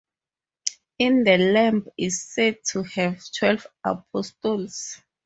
In the lamb is said to have twelve apostles.